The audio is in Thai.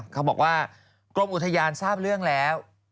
เขาบอกว่ากรมอุทยานทราบเรื่องแล้ว